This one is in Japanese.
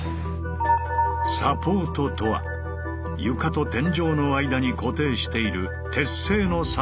サポートとは床と天井の間に固定している鉄製の支えのこと。